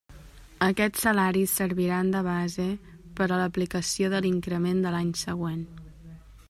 Aquests salaris serviran de base per a l'aplicació de l'increment de l'any següent.